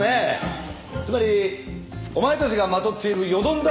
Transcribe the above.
つまりお前たちがまとっているよどんだ